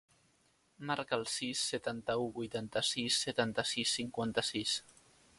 Marca el sis, setanta-u, vuitanta-sis, setanta-sis, cinquanta-sis.